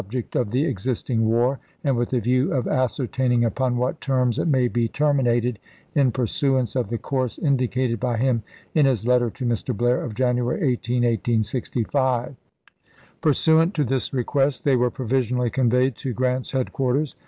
ject of the existing war, and with a view of Stephens, ascertaining upon what terms it may be termi aQd Huuter nated, in pursuance of the course indicated by him lk/'^L in nis letter to Mr Blair of January 18, 1865." Pursuant to this request, they were provisionally conveyed to Grant's headquarters.